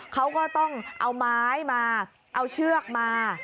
เขาก็ต้องเอาไม้มาเอาเชือกมา